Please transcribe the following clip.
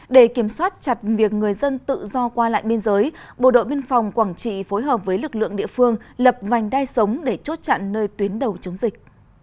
để kiểm soát chặt việc người dân tự do qua lại biên giới bộ đội biên phòng quảng trị phối hợp với lực lượng địa phương lập vành đai sống để chốt chặn nơi tuyến đầu chống dịch